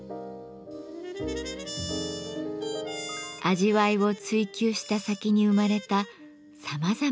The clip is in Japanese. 味わいを追求した先に生まれたさまざまな色。